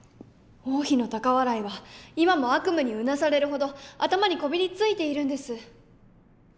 王妃の高笑いは今も悪夢にうなされるほど頭にこびりついているんです！